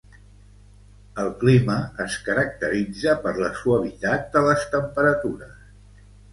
El clima es caracteritza per la suavitat de les temperatures